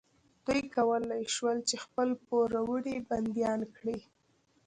دوی کولی شول چې خپل پوروړي بندیان کړي.